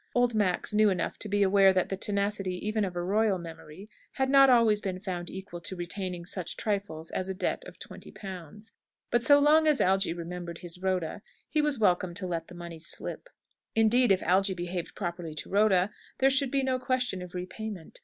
Old Max knew enough to be aware that the tenacity even of a royal memory had not always been found equal to retaining such trifles as a debt of twenty pounds. But so long as Algy remembered his Rhoda, he was welcome to let the money slip. Indeed, if Algy behaved properly to Rhoda, there should be no question of repayment.